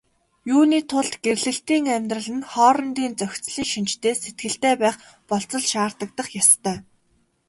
Юуны тулд гэрлэлтийн амьдрал нь хоорондын зохицлын шинжтэй сэтгэлтэй байх болзол шаардагдах ёстой.